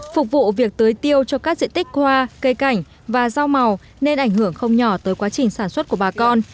phục vụ việc tới tiêu cho các diện tích hoa cây cảnh và rau màu nên ảnh hưởng không nhỏ tới quá trình sản xuất của bà con